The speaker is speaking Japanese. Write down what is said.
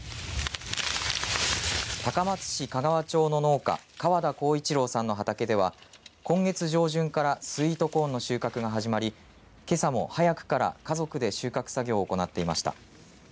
高松市香川町の農家河田晃一郎さんの畑では今月上旬からスイートコーンの収穫が始まりけさも早くから家族で収穫作業を行っていました。